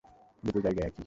দুটো জায়গা একই।